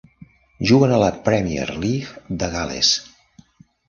Juguen a la Premier League de Gales.